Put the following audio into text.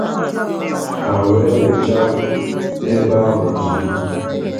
ha wee wụchaa n'ebe ahụ ozigbo